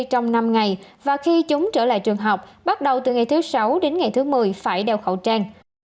trong năm ngày và khi chúng trở lại trường học bắt đầu từ ngày thứ sáu đến ngày thứ một mươi phải đeo khẩu trang